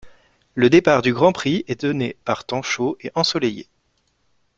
Le départ du Grand Prix est donné par temps chaud et ensoleillé.